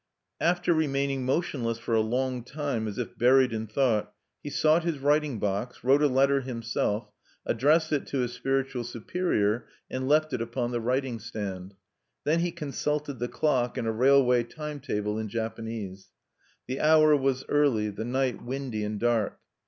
After remaining motionless for a long time, as if buried in thought, he sought his writing box, wrote a letter himself, addressed it to his spiritual superior, and left it upon the writing stand. Then he consulted the clock, and a railway time table in Japanese. The hour was early; the night windy and dark.